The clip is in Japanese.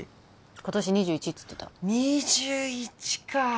今年２１っつってた２１か！